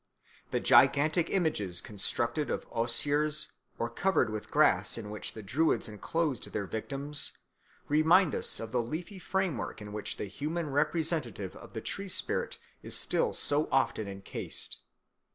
The gigantic images constructed of osiers or covered with grass in which the Druids enclosed their victims remind us of the leafy framework in which the human representative of the tree spirit is still so often encased.